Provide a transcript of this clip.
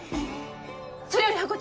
それよりハコ長